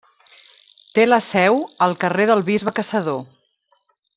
Té la seu al carrer del Bisbe Caçador.